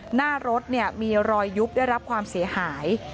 หน้ารถมีรอยยุบได้รับความเสียหาย